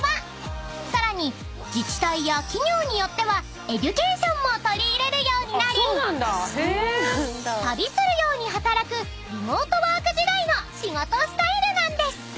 ［さらに自治体や企業によってはエデュケーションも取り入れるようになり旅するように働くリモートワーク時代の仕事スタイルなんです］